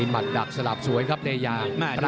มัดดักสลับสวยครับเดยา